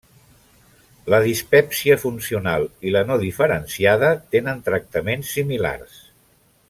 La dispèpsia funcional i la no diferenciada tenen tractaments similars.